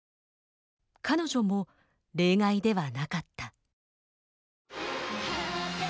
彼女も例外ではなかった。